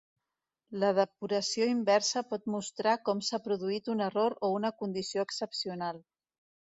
La depuració inversa pot mostrar com s"ha produït un error o una condició excepcional.